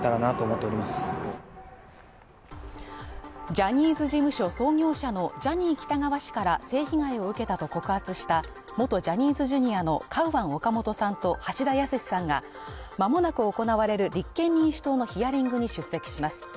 ジャニーズ事務所創業者のジャニー喜多川氏から性被害を受けたと告発した元ジャニーズＪｒ．のカウアン・オカモトさんと橋田康さんがまもなく行われる立憲民主党のヒアリングに出席します。